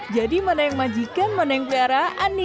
jadi mana yang majikan mana yang piara